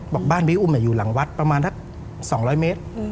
บอกบ้านพี่อุ้มอยู่หลังวัดประมาณสัก๒๐๐เมตร